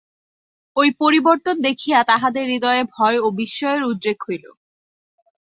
ঐ পরিবর্তন দেখিয়া তাঁহাদের হৃদয়ে ভয় ও বিস্ময়ের উদ্রেক হইল।